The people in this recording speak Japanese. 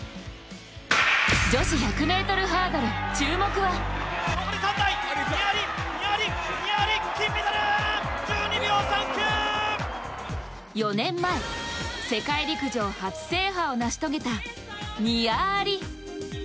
女子１００ｍハードル注目は４年前世界陸上初制覇を成し遂げたニア・アリ。